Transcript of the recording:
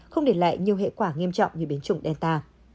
không để lại nhiều hệ quả nghiêm trọng như biến chủng delta